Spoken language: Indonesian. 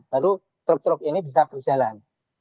baru truk truk ini bisa berjalan